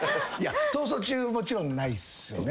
『逃走中』はもちろんないっすよね？